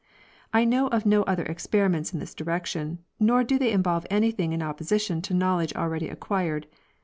I know of no other experiments in this direction, nor do they involve anything in opposition to knowledge already aequired.